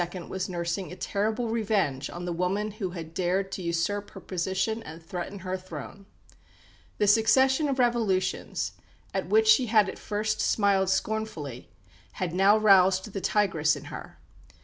was nursing a terrible revenge on the woman who had dared to usurp her position and threaten her throne. The succession of revolutions, at which she had at first smiled scornfully, had now roused the tigress in her.